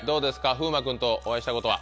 風磨君とお会いしたことは。